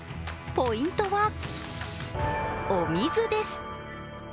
ポイントは、お水です。